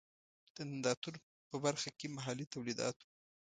د نندارتون په برخه کې محلي تولیدات و.